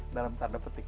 dalam tanda petik